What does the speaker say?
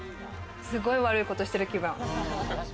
すごい悪いことしてる気分。